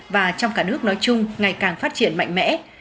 và trong cả nước nói chung ngày càng phát triển mạnh mẽ